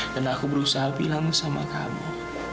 dan aku berusaha bilang sama kamu